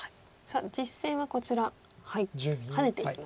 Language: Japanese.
実戦はこちらハネていきました。